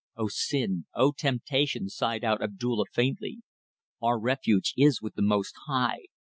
"O Sin! O Temptation!" sighed out Abdulla, faintly. "Our refuge is with the Most High.